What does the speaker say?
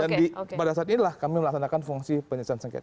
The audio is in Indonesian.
dan pada saat inilah kami melaksanakan fungsi penyelesaian sengketa